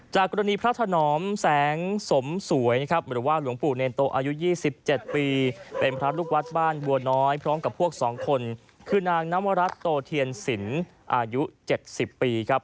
กรณีพระถนอมแสงสมสวยนะครับหรือว่าหลวงปู่เนรโตอายุ๒๗ปีเป็นพระลูกวัดบ้านบัวน้อยพร้อมกับพวก๒คนคือนางนวรัฐโตเทียนสินอายุ๗๐ปีครับ